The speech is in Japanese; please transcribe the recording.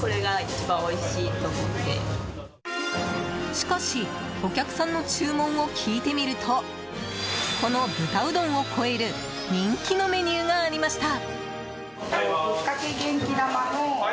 しかしお客さんの注文を聞いてみるとこの豚うどんを超える人気のメニューがありました。